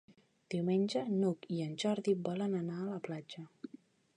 Diumenge n'Hug i en Jordi volen anar a la platja.